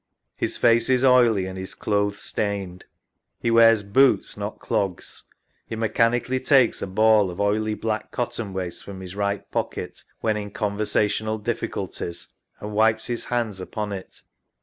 His face is oily and his clothes stained. He wears boots, not clogs. He mechanically takes a ball of oily black cotton waste from his right pocket when in conversational difficulties and wipes his hands upo7i it.